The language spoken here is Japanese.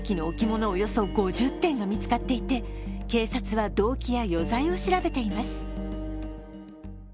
およそ５０点が見つかっていて、警察は、動機や余罪を調べています